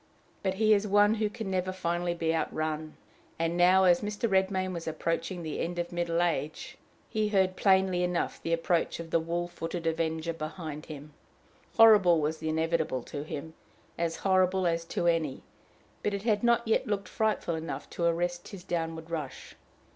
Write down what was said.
But he is one who can never finally be outrun, and now, as Mr. Redmain was approaching the end of middle age, he heard plainly enough the approach of the wool footed avenger behind him. Horrible was the inevitable to him, as horrible as to any; but it had not yet looked frightful enough to arrest his downward rush.